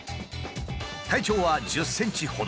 体長は１０ｃｍほど。